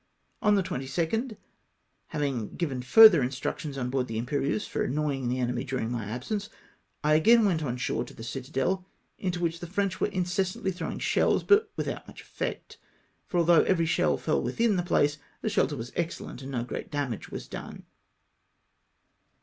On the 22nd, after having given fm'ther instructions on board the Tmpcrieuse for annoying the enemy dm^ing my absence, I again Avent on shore to the citadel, into which the French were incessantly throw ing shells, but without much effect ; for although every shell feU within the place, the shelter was excellent, and no great damage was done.